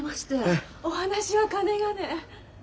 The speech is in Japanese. お話はかねがね。